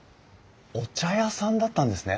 お茶屋さんだったんですね！